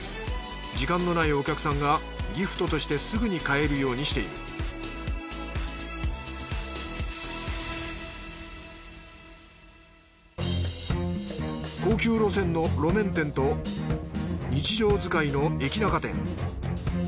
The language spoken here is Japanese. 時間のないお客さんがギフトとしてすぐに買えるようにしている高級路線の路面店と日常使いの駅ナカ店。